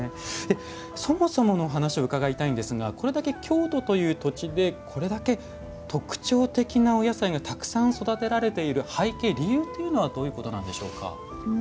そもそものお話を伺いたいんですがこれだけ、京都という土地でこれだけ特長的なお野菜がたくさん育てられている背景理由というのはどういうことなんでしょうか？